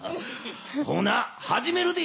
ほなはじめるで。